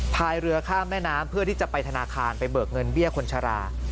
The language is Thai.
พายเรือข้ามแม่น้ำเพื่อที่จะไปธนาคารไปเบิกเงินเบี้ยคนชรา